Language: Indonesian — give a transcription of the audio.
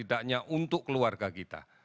tidaknya untuk keluarga kita